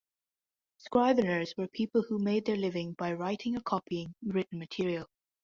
Scriveners were people who made their living by writing or copying written material.